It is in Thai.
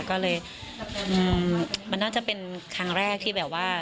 ก็เลยมันน่าจะเป็นครั้งแรกที่แบบว่า